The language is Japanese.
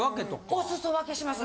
おすそ分けします。